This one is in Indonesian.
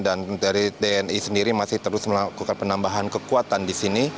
dan dari dni sendiri masih terus melakukan penambahan kekuatan di sini